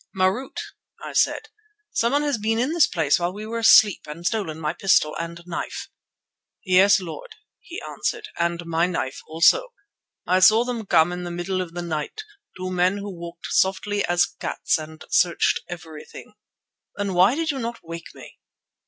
"Marût," I said, "someone has been in this place while we were asleep and stolen my pistol and knife." "Yes, Lord," he answered, "and my knife also. I saw them come in the middle of the night, two men who walked softly as cats, and searched everything." "Then why did you not wake me?"